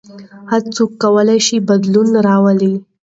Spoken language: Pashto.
هر څوک کولای شي بدلون راولي.